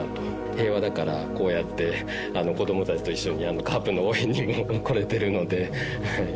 平和だから、こうやって子どもたちと一緒にカープの応援にも来れているので。